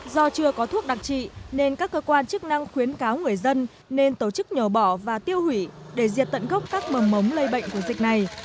do chưa có thuốc đặc trị nên các cơ quan chức năng khuyến cáo người dân nên tổ chức nhổ bỏ và tiêu hủy để diệt tận gốc các mầm mống lây bệnh của dịch này